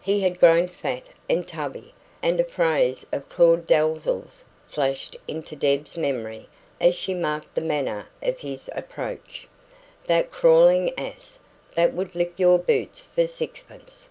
He had grown fat and tubby, and a phrase of Claud Dalzell's flashed into Deb's memory as she marked the manner of his approach "that crawling ass, that would lick your boots for sixpence".